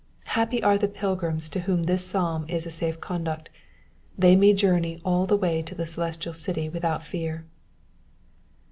Happy are the pilgrims to whom this psalm is a safe conduct ; they may journey all the way to the celestial city without fear.